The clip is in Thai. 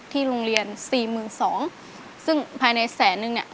ที่โรงเรียน๔๒คมซึ่งภายในแสนนึงนี่อ่ะ